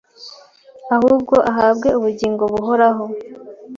ahubwo ahabwe ubungingo buhoraho